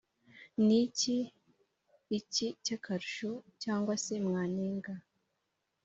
ni iki cy’akarusho cyangwa se mwanenga